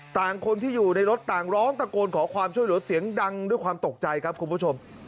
ต่างคนที่อยู่ในรถต่างร้องตะโกนขอความช่วยเหลือเสียงดังด้วยความตกใจครับคุณผู้ชม